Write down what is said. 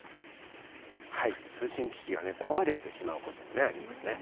通信機器が壊れてしまうこともありますね。